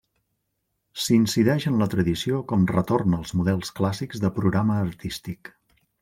S'incideix en la tradició com retorn als models clàssics de programa artístic.